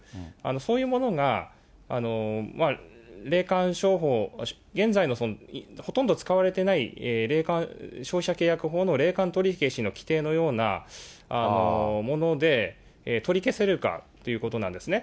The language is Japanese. そういうものが霊感商法、現在のほとんど使われてない消費者契約法の霊感取り消しの規定のようなもので、取り消せるかということなんですね。